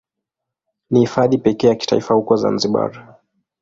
Ni Hifadhi pekee ya kitaifa huko Zanzibar.